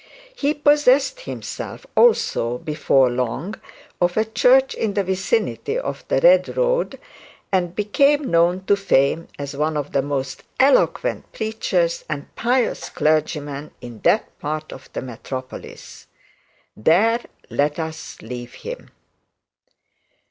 He possessed himself, also before long, of a church in the vicinity of the New Road, and become known to fame as one of the most eloquent preachers and pious clergymen in that part of the metropolis. There let us leave him.